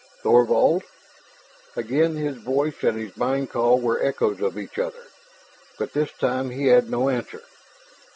"Thorvald " Again his voice and his mind call were echoes of each other. But this time he had no answer.